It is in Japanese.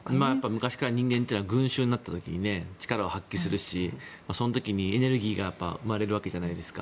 昔から人間というのは群衆になったら力を発揮するしその時にエネルギーが生まれるわけじゃないですか。